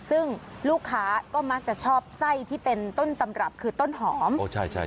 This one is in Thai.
ซึ่งลูกค้าก็มักจะชอบไส้ที่เป็นต้นตำรับคือต้นหอม